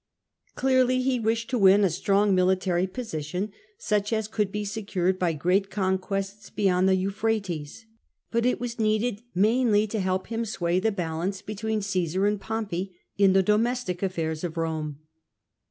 Clearly he wished to win a strong military position, such as could be secured by great conquests beyond the Euphrates, but it was needed mainly to help him to sway the balance between Caesar and Pompey in the domestic affairs of Rome.